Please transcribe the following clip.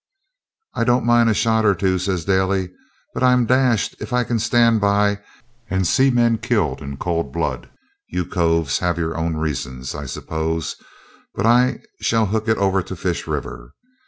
'I don't mind a shot or two,' says Daly, 'but I'm dashed if I can stand by and see men killed in cold blood. You coves have your own reasons, I suppose, but I shall hook it over to the Fish River.